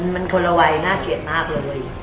มันคนละวัยน่าเกลียดมากเลย